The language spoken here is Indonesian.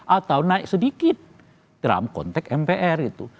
atau naik sedikit dalam konteks mpr itu